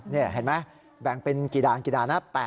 นี่เห็นไหมแบ่งเป็นกี่ด่านกี่ด่านนะ